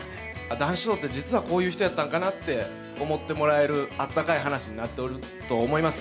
談志師匠って、実はこういう人やったんかなって思ってもらえるあったかい話になっておると思います。